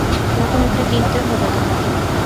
নতুন একটা কিনতে হবে তোমার।